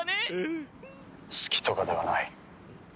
好きとかではない。